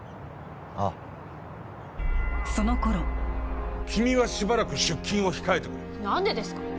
ああその頃君はしばらく出勤を控えてくれなんでですか？